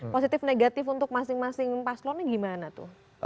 positif negatif untuk masing masing paslonnya gimana tuh